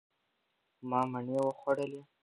ما مڼې وخوړلې.